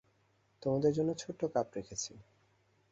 তোমার জন্য ছোট্ট কাপ রেখেছি!